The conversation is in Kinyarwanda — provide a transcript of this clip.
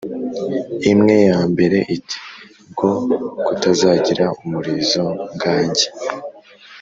Imwe ya mbere iti: Bwo kutagira umurizo ngange